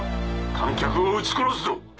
観客を撃ち殺すぞ。